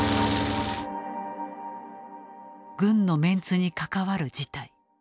軍のメンツに関わる事態。